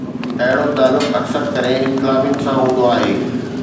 اهڙو تعلق اڪثر ڪري انقلابين سان هوندو آهي.